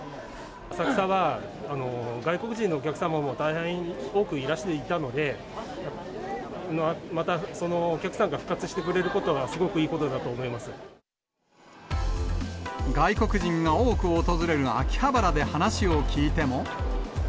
浅草は外国人のお客様も大変多くいらしていたので、またそのお客さんが復活してくれることは、すごくいいことだと思外国人が多く訪れる秋葉原で話を聞いても。